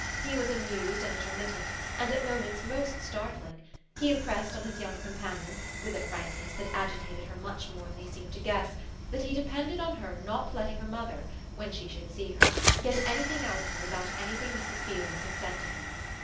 He was amused and intermittent and at moments most startling; he impressed on his young companion, with a frankness that agitated her much more than he seemed to guess, that he depended on her not letting her mother, when she should see her, get anything out of her about anything Mrs. Beale might have said to him.